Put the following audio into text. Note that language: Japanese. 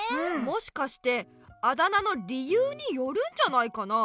もしかしてあだ名の理由によるんじゃないかな。